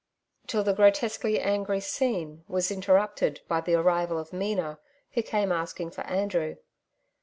Till the grotesquely angry scene was interrupted by the arrival of Mina, who came asking for Andrew.